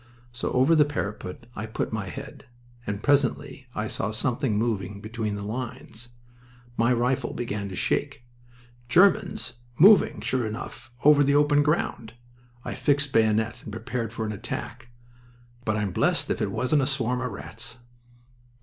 So over the parapet I put my head, and presently I saw something moving between the lines. My rifle began to shake. Germans! Moving, sure enough, over the open ground. I fixed bayonet and prepared for an attack... But I'm blessed if it wasn't a swarm of rats!"